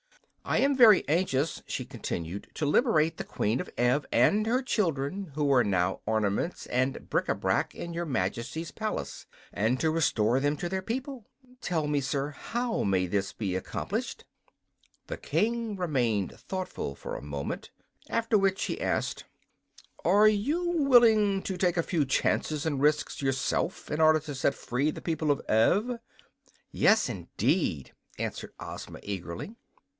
"I am very anxious," she continued, "to liberate the Queen of Ev and her children who are now ornaments and bric a brac in your Majesty's palace, and to restore them to their people. Tell me, sir, how this may be accomplished." The king remained thoughtful for a moment, after which he asked: "Are you willing to take a few chances and risks yourself, in order to set free the people of Ev?" "Yes, indeed!" answered Ozma, eagerly.